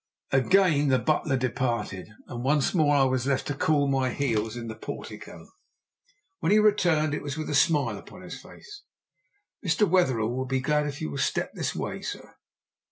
Again the butler departed, and once more I was left to cool my heels in the portico. When he returned it was with a smile upon his face. "Mr. Wetherell will be glad if you will step this way, sir."